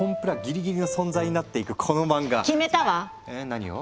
何を？